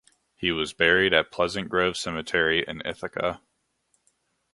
He was buried at Pleasant Grove Cemetery in Ithaca.